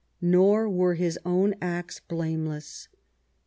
Nor were his own acts blameless.